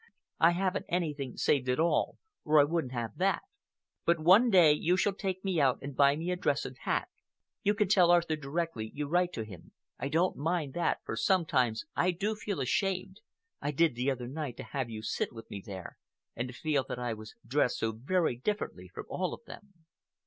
"I haven't anything saved at all, or I wouldn't have that. But one day you shall take me out and buy me a dress and hat. You can tell Arthur directly you write to him. I don't mind that, for sometimes I do feel ashamed—I did the other night to have you sit with me there, and to feel that I was dressed so very differently from all of them."